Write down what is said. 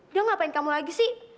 dia ngapain kamu lagi sih